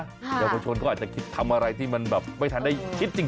เยาวชนก็อาจจะคิดทำอะไรที่มันแบบไม่ทันได้คิดจริง